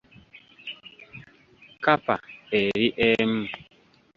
Kkapa eri emu .